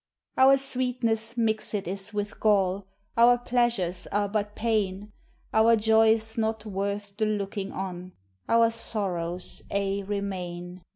Our sweetness mixèd is with gall, Our pleasures are but pain, Our joys not worth the looking on Our sorrows aye remain.